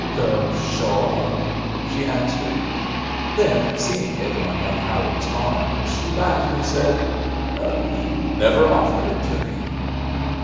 "The shawl?" she answered. Then, seeing it on young Howard's arm, she laughed, and said, "He never offered it to me."